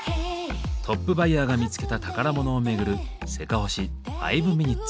トップバイヤーが見つけた宝物を巡る「せかほし５ｍｉｎ．」。